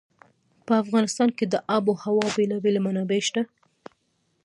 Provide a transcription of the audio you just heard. په افغانستان کې د آب وهوا بېلابېلې منابع شته.